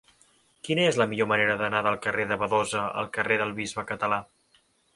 Quina és la millor manera d'anar del carrer de Badosa al carrer del Bisbe Català?